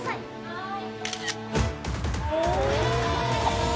はい！